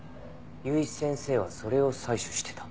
由井先生はそれを採取してた。